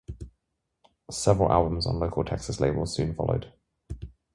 Several albums on local Texas labels soon followed.